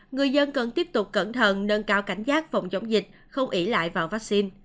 người dân cần tiếp tục cẩn thận nâng cao cảnh giác phòng chống dịch không ỉ lại vào vaccine